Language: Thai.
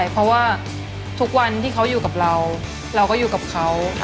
เพราะว่าทุกวันที่เขาอยู่กับเราเราก็อยู่กับเขา